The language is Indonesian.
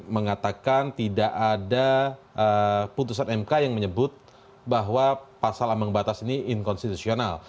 mengatakan tidak ada putusan mk yang menyebut bahwa pasal ambang batas ini inkonstitusional